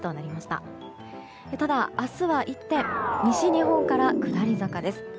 ただ、明日は一転西日本から下り坂です。